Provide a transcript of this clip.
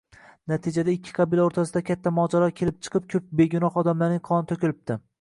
Natijada ikki qabila oʻrtasida katta mojaro kelib chiqib, koʻp begunoh odamlarning qoni toʻkilibdi